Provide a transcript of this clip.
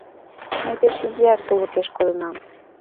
Мый пеш изиак тулыкеш кодынам.